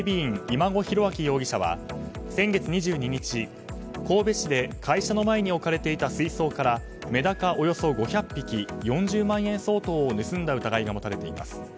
今後広章容疑者は先月２２日神戸市で会社の前に置かれていた水槽からメダカおよそ５００匹４０万円相当を盗んだ疑いが持たれています。